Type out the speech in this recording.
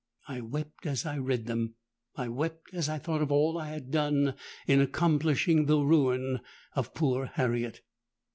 I wept as I read them:—I wept as I thought of all I had done in accomplishing the ruin of poor Harriet!